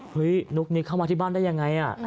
นุ๊กนิกเข้ามาที่บ้านได้ยังไง